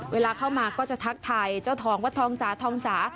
เวลาเข้ามาก็จะทักทายเจ้าทองวัดทองสาทองสา